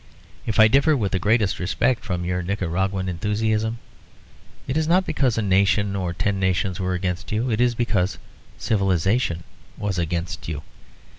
If I differ with the greatest respect from your Nicaraguan enthusiasm, it is not because a nation or ten nations were against you; it is because civilisation was against you.